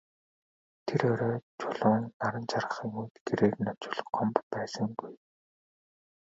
Тэр орой Чулуун наран жаргахын үед гэрээр нь очвол Гомбо байсангүй.